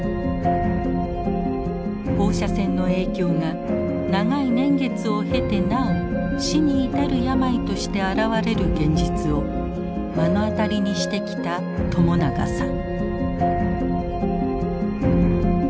放射線の影響が長い年月を経てなお死に至る病として現れる現実を目の当たりにしてきた朝長さん。